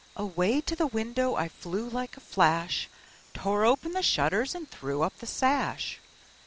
Away to the window I flew like a flash, Tore open the shutters and threw up the sash.